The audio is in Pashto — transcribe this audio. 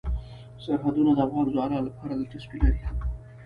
سرحدونه د افغان ځوانانو لپاره دلچسپي لري.